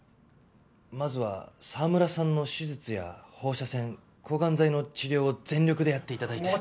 まずは澤村さんの手術や放射線抗がん剤の治療を全力でやって頂いて。